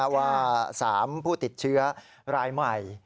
ว่า๓ผู้ติดเชื้อรายใหม่